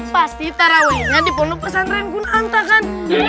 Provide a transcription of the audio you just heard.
pasti tarawee nya dipenuh pesan renkun anta kan